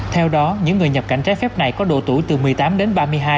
theo đó những người nhập cảnh trái phép này có độ tuổi từ một mươi tám đến ba mươi hai